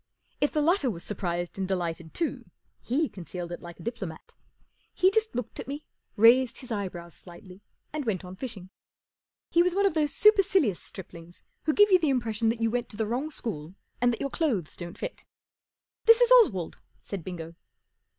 If the latter was surprised and delighted too, he concealed it like a diplomat. 1 He just looked at me, raised his eyebrows slightly, and went on fishing. He was one of those supercilious striplings who give you the impression that you went to the wrong school and that your clothes don't fit. 44 This is Oswald," said Bingo.